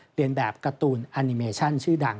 เรียนแบบการ์ตูนแอนิเมชั่นชื่อดัง